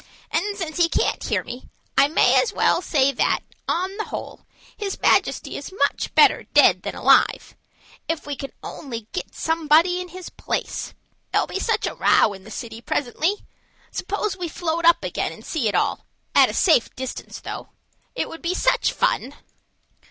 And since he can't hear me, I may as well say that, on the whole, his majesty is much better dead than alive if we can only get somebody in his place. There'll be such a row in the city presently. Suppose we float up again and see it all at a safe distance, though. It will be such fun!"